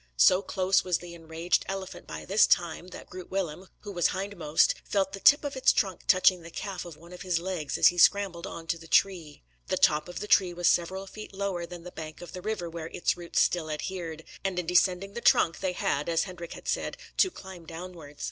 So close was the enraged elephant by this time, that Groot Willem, who was hindmost, felt the tip of its trunk touching the calf of one of his legs, as he scrambled on to the tree. The top of the tree was several feet lower than the bank of the river where its roots still adhered; and in descending the trunk, they had, as Hendrik said, to "climb downwards."